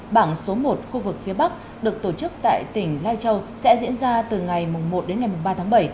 bảng số một khu vực phía bắc được tổ chức tại tỉnh lai châu sẽ diễn ra từ ngày một đến ngày ba tháng bảy